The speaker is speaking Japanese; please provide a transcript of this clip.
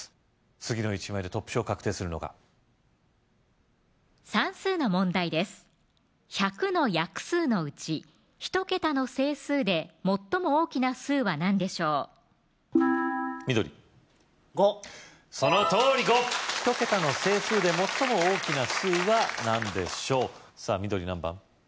次の１枚でトップ賞確定するのか算数の問題です１００の約数のうち１桁の整数で最も大きな数は何でしょう緑５そのとおり５１桁の整数で最も大きな数は何でしょうさぁ緑何番？